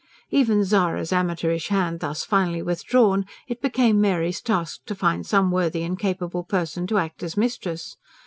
Even Zara's amateurish hand thus finally withdrawn, it became Mary's task to find some worthy and capable person to act as mistress.